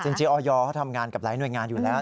จริงออยเขาทำงานกับหลายหน่วยงานอยู่แล้ว